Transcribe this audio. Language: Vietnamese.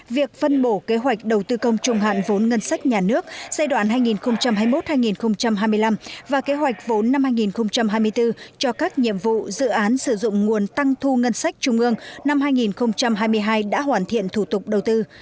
việc phân bổ kế hoạch đầu tư công trung hạn vốn ngân sách nhà nước giai đoạn hai nghìn hai mươi một hai nghìn hai mươi năm và kế hoạch vốn năm hai nghìn hai mươi bốn cho các nhiệm vụ dự án sử dụng nguồn tăng thu ngân sách trung ương năm hai nghìn hai mươi hai đã hoàn thiện thủ tục đầu tư